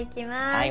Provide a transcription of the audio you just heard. はい。